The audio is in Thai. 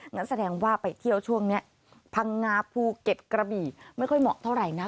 งั้นแสดงว่าไปเที่ยวช่วงนี้พังงาภูเก็ตกระบี่ไม่ค่อยเหมาะเท่าไหร่นะ